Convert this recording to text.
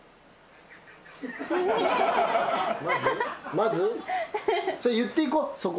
まず？言っていこうそこは。